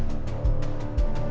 sambil nunggu kita